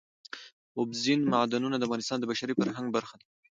اوبزین معدنونه د افغانستان د بشري فرهنګ برخه ده.